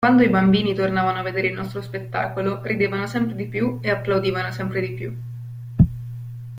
Quando i bambini tornavano a vedere il nostro spettacolo ridevano sempre di più e applaudivano sempre di più.